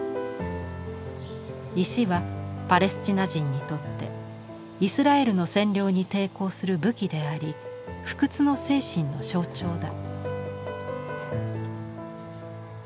石はパレスチナ人にとってイスラエルの占領に抵抗する武器であり不屈の精神の象徴だ。